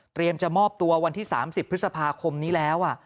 จะมอบตัววันที่๓๐พฤษภาคมนี้แล้ว